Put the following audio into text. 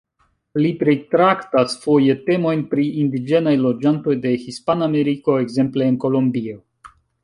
Li pritraktas foje temojn pri indiĝenaj loĝantoj de Hispanameriko, ekzemple el Kolombio.